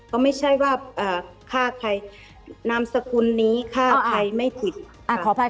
ก็ไม่ใช่ว่าฆ่าใครนามสกุลนี้ฆ่าใครไม่ผิด